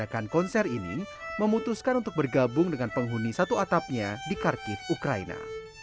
menggunakan konser ini memutuskan untuk bergabung dengan penghuni satu atapnya di kharkiv ukraina